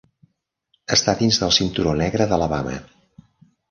Està dins del Cinturó Negre d'Alabama.